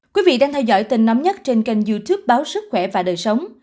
các bạn đang theo dõi tình nóng nhất trên kênh youtube báo sức khỏe và đời sống